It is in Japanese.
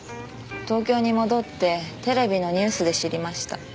東京に戻ってテレビのニュースで知りました。